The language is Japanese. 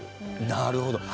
なるほど。